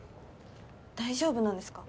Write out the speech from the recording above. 大丈夫なんですか？